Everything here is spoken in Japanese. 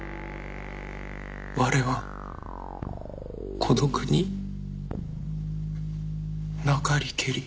我は孤独になかりけり。